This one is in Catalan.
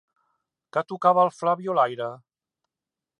Què tocava el Flabiolaire?